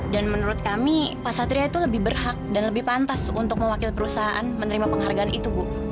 menurut kami pak satria itu lebih berhak dan lebih pantas untuk mewakil perusahaan menerima penghargaan itu bu